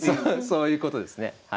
そういうことですね。